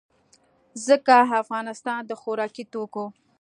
ځکه افغانستان د خوراکي توکو